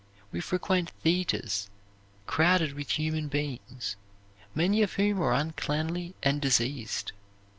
We frequent theaters crowded with human beings, many of whom are uncleanly and diseased.